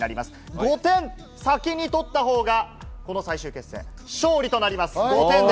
５点先に取ったほうがこの最終決戦、勝利となります。